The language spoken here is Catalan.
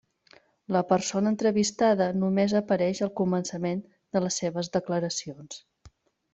La persona entrevistada només apareix al començament de les seves declaracions.